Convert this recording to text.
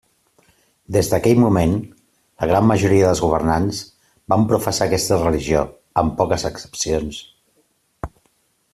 Des d'aquell moment, la gran majoria dels governants van professar aquesta religió, amb poques excepcions.